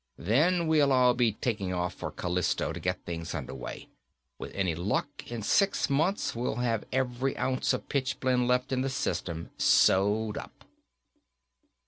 "Then we'll all be taking off for Callisto, to get things under way. With any luck, in six months we'll have every ounce of pitchblende left in the system sewed up."